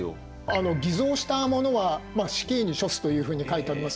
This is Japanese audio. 「偽造した者は死刑に処す」というふうに書いてありますね。